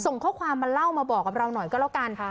ส่งข้อความมาเล่ามาบอกกับเราหน่อยก็แล้วกัน